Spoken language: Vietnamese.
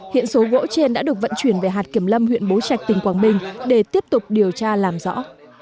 hiện số gỗ trên đã được vận chuyển về hạt kiểm lâm huyện bố trạch tỉnh quảng bình để tiếp tục điều tra làm rõ